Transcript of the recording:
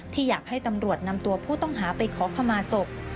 อยากให้ตำรวจนำตัวผู้ต้องหาไปขอขมาศพ